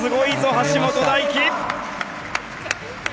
橋本大輝。